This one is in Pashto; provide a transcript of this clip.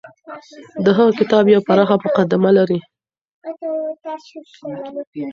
د هغه کتاب يوه پراخه مقدمه لري.